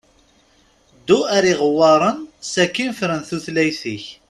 Ddu ar iɣewwaṛn sakin fren tutlayt-ik.